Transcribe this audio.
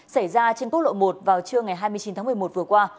xảy ra trên quốc lộ một vào trưa ngày hai mươi chín tháng một mươi một vừa qua